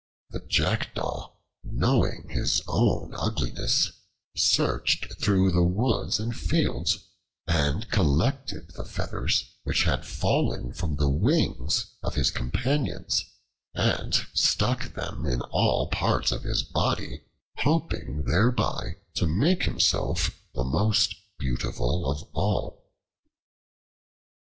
The Jackdaw, knowing his own ugliness, searched through the woods and fields, and collected the feathers which had fallen from the wings of his companions, and stuck them in all parts of his body, hoping thereby to make himself the most beautiful of all.